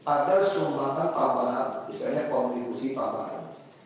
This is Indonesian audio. ada sumbangan tambahan misalnya kontribusi tambahan